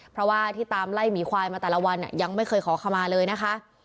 เพราะว่าที่ตามไล่หมีควายมาแต่ละวันยังไม่เคยขอขมาเลยนะคะ